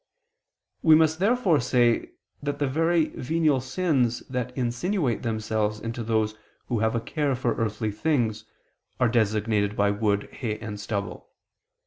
We must therefore say that the very venial sins that insinuate themselves into those who have a care for earthly things, are designated by wood, hay, and stubble.